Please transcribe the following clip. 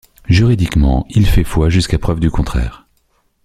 Juridiquement, il fait foi jusqu'à preuve du contraire.